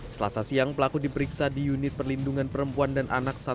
selasa siang pelaku diperiksa di unit perlindungan perempuan dan anak satwa